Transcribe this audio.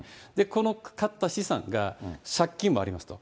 この買った資産が借金もありますと。